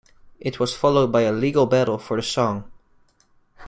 It was followed by a legal battle for the song.